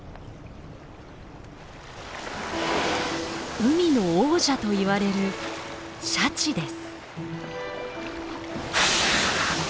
海の王者といわれるシャチです。